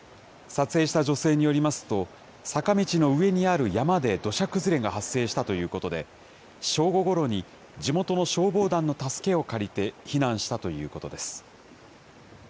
撮影した女性によりますと、坂道の上にある山で土砂崩れが発生したということで、正午ごろに地元の消防団の助けを借りて避難したということです。